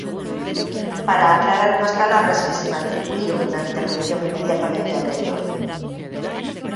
Para aclarar unhas palabras que se me atribuíron na intervención inmediatamente anterior.